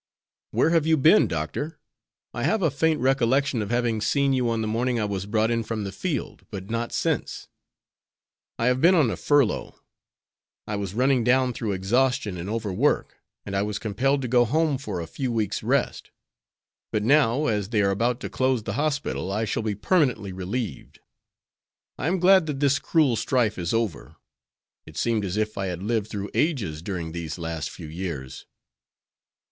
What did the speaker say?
"Where have you been, Doctor? I have a faint recollection of having seen you on the morning I was brought in from the field, but not since." "I have been on a furlough. I was running down through exhaustion and overwork, and I was compelled to go home for a few weeks' rest. But now, as they are about to close the hospital, I shall be permanently relieved. I am glad that this cruel strife is over. It seemed as if I had lived through ages during these last few years.